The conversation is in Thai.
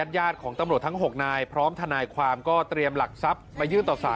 ท่านก็บอกว่าค่ะเครียดละเนาะ